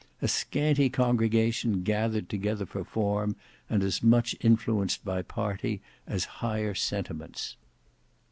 A scanty congregation gathered together for form, and as much influenced by party as higher sentiments.